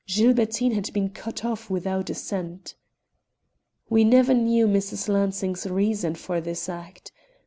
Gilbertine had been cut off without a cent. We never knew Mrs. Lansing's reason for this act.